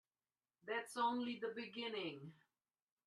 That's only the beginning.